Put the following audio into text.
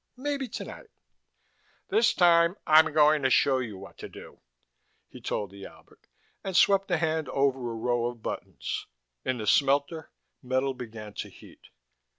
Maybe tonight "This time I'm going to show you what to do," he told the Albert, and swept a hand over a row of buttons. In the smelter, metal began to heat.